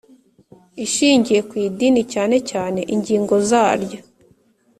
ishingiye ku idini cyane cyane ingingo zaryo